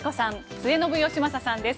末延吉正さんです。